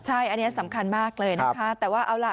ใช่อันนี้สำคัญมากเลยนะคะแต่ว่าเอาล่ะ